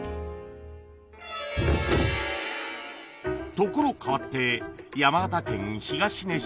ところ変わって山形県東根市